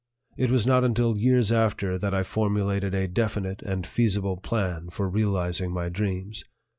It was not until years after that I formulated a definite and feasible plan for realizing my dreams.